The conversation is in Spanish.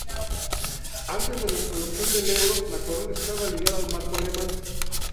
Antes de la introducción del euro, la corona estaba ligada al marco alemán.